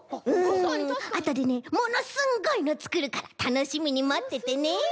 あとでねものすんごいのつくるからたのしみにまっててね！